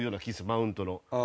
マウント。